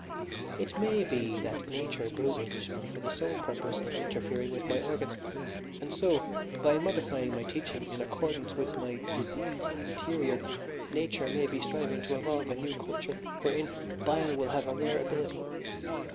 It may be that nature grew Englishmen for the sole purpose of interfering with my organs, and so, by modifying my teaching in accordance with my diseased interior, nature may be striving to evolve a new culture wherein bile will have a rare ability.